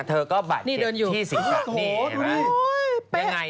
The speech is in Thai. เธอก็บัดที่ศีรษะเนี่ย